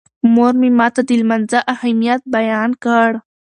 مور مې ماته د لمانځه اهمیت بیان کړ.